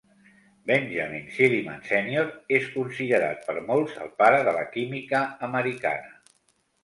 Benjamin Silliman Senior és considerat per molts el pare de la química americana.